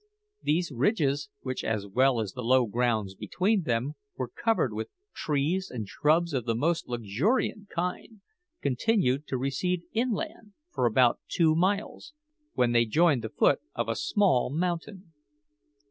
These ridges which, as well as the low grounds between them, were covered with trees and shrubs of the most luxuriant kind continued to recede inland for about two miles, when they joined the foot of a small mountain.